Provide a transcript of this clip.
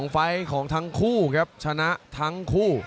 ไฟล์ของทั้งคู่ครับชนะทั้งคู่